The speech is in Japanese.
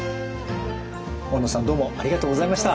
大野さんどうもありがとうございました。